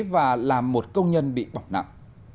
và làm một công nhân bị bỏng nặng